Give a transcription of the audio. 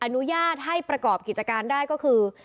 อนุญาตให้ประกอบกิจการได้ก็คือ